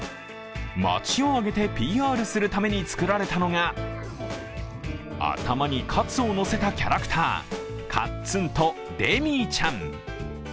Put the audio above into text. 街を上げてＰＲするために作られたのが頭にカツを乗せたキャラクターかっつんとデミーちゃん。